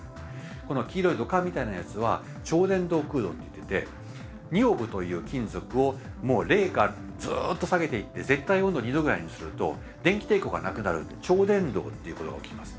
この黄色い土管みたいなやつは超伝導空洞っていってニオブという金属をもう零下ずっと下げていって絶対温度２℃ぐらいにすると電気抵抗がなくなる超伝導っていうことが起きます。